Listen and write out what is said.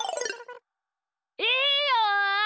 いいよ！